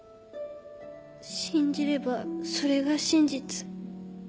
信じればそれが真実。